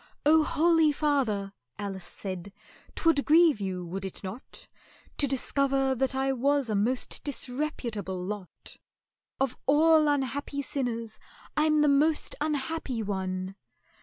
"Oh, holy father," ALICE said, "'t would grieve you, would it not, To discover that I was a most disreputable lot? Of all unhappy sinners I'm the most unhappy one!"